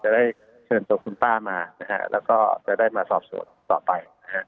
จะได้เชิญตัวคุณป้ามาแล้วก็จะได้มาสอบส่วนต่อไป